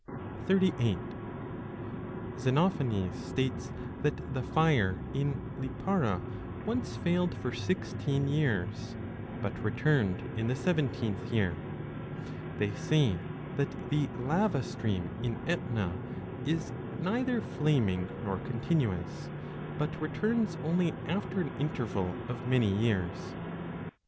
38 Xenophanes states that the fire in Lipara once failed for sixteen years, but returned in the seventeenth year. They say that the lava stream in Etna is neither flaming nor continuous, but returns only after an interval of many years.